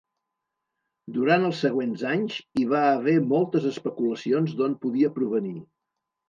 Durant els següents anys hi va haver moltes especulacions d'on podia provenir.